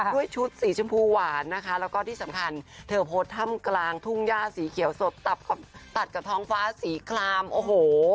ด้วยชุดสีชมพูหวานนะคะแล้วก็ที่สำคัญเธอโพสต์ถ้ำกลางทุ่งย่าสีเขียวสดตัดกับท้องฟ้าสีคลามโอ้โห